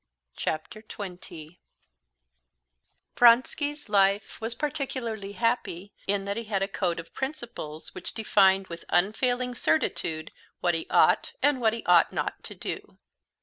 Chapter 20 Vronsky's life was particularly happy in that he had a code of principles, which defined with unfailing certitude what he ought and what he ought not to do.